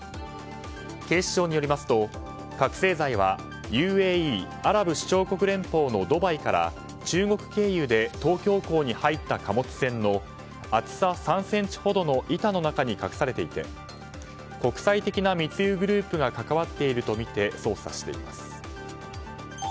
警視庁によりますと覚醒剤はＵＡＥ・アラブ首長国連邦のドバイから中国経由で東京港に入った貨物船の厚さ３ｃｍほどの板の中に隠されていて国際的な密輸グループが関わっているとみて捜査しています。